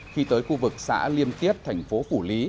khi tới khu vực xã liêm tiết thành phố phủ lý